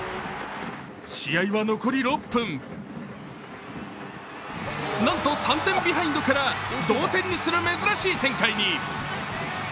試合は残り６分、なんと３点ビハインドから同点にする珍しい展開に。